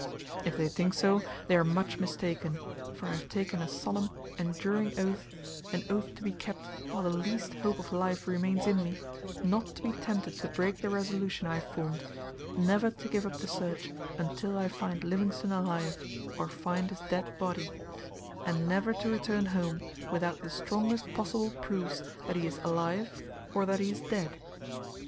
If they think so, they are much mistaken, for I have taken a solemn, enduring oath, an oath to be kept while the least hope of life remains in me, not to be tempted to break the resolution I have formed, never to give up the search, until I find Livingstone alive, or find his dead body; and never to return home without the strongest possible proofs that he is alive, or that he is dead.